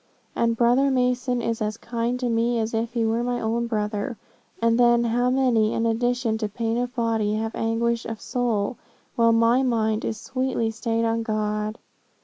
And brother Mason is as kind to me as if he were my own brother. And then how many, in addition to pain of body, have anguish of soul, while my mind is sweetly stayed on God.'